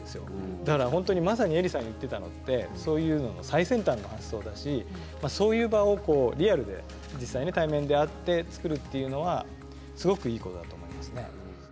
だから本当にまさにえりさん言ってたのってそういうのの最先端の発想だしそういう場をリアルで実際対面で会って作るっていうのはすごくいいことだと思いますね。